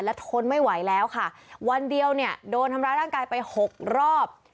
และทนไม่ไหวแล้วค่ะวันเดียวเนี่ยโดนทำร้ายร่างกายไปหกรอบ